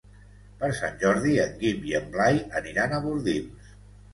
Per Sant Jordi en Guim i en Blai aniran a Bordils.